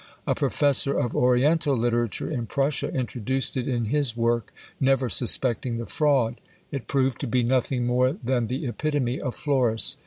A professor of Oriental literature in Prussia introduced it in his work, never suspecting the fraud; it proved to be nothing more than the epitome of Florus.